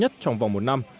trong vòng một năm